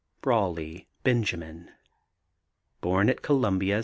BRAWLEY, BENJAMIN. Born at Columbia, S.